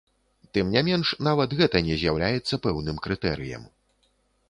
Тым не менш, нават гэта не з'яўляецца пэўным крытэрыем.